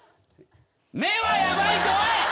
目はヤバいっておい！